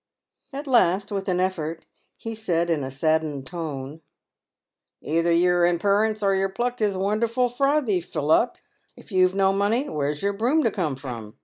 At last, with an effort, he said, in saddened tones, " Either your imperrence or your pluck is wonderful frothy, Philup. If you've no money, where' s your broom to come from